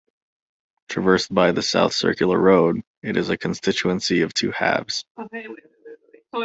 Traversed by the South Circular Road, it is a constituency of two halves.